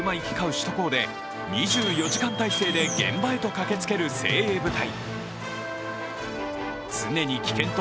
首都高で２４時間体制で現場へと駆けつける精鋭部隊。